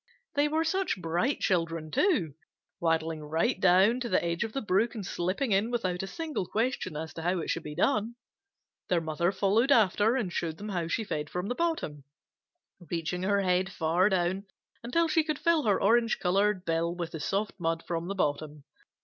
They were such bright children, too, waddling right down to the edge of the brook and slipping in without a single question as to how it should be done. Their mother followed after and showed them how she fed from the bottom, reaching her head far down until she could fill her orange colored bill with the soft mud from the bottom.